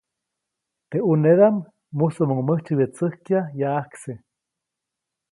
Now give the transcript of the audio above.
Teʼ ʼunedaʼm mujsuʼmuŋ mäjtsyäwyätsäjkya yaʼajkse.